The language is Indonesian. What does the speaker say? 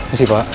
ini sih pak